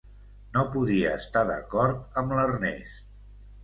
No podia estar d'acord amb l'Ernest.